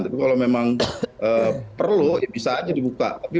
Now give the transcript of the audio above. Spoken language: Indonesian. tapi kalau memang perlu ya bisa aja dibuka